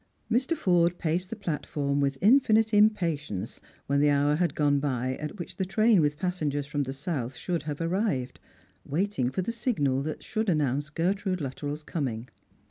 Mr. Forde paced the platform with infinite impatience when the hour had gone by at which the train with passengers from the South should have arrived, waiting for the signal that ehould announce Gertrude Luttrell's coming.